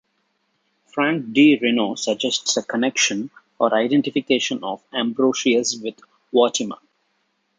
Frank D. Reno suggests a connection or identification of Ambrosius with Vortimer.